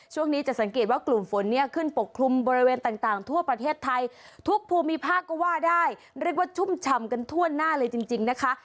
ช่วงนี้จะสังเกตว่ากลุ่มฝนเนี่ยขึ้นปกคลุมบริเวณต่างทั่วประเทศไทยทุกภูมิภาคก็ว่าได้เรียกว่าชุ่มฉ่ำกันทั่วหน้าเลยจริงจริงนะคะ